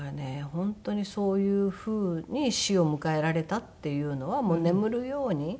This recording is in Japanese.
本当にそういうふうに死を迎えられたっていうのはもう眠るように。